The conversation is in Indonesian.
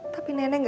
bayi jadi gila